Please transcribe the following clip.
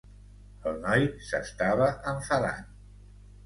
El noi s'estava enfadant.